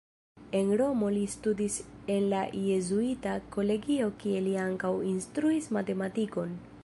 En Romo li studis en la jezuita kolegio kie li ankaŭ instruis matematikon.